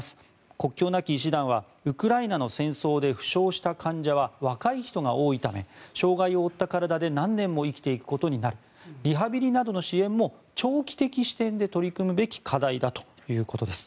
国境なき医師団はウクライナの戦争で負傷した患者は若い人が多いため障害を負った体で何年も生きていくことになるリハビリなどの支援も長期的視点で取り組むべき課題だということです。